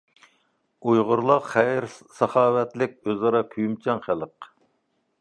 ئۇيغۇرلار خەير-ساخاۋەتلىك، ئۆزئارا كۆيۈمچان خەلق.